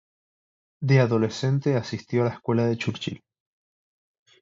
De adolescente asistió a la escuela de Churchill.